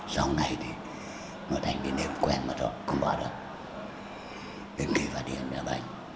sau ngày thì nó thành đến đây cũng quen rồi không bỏ được đến khi phát hiện ra bệnh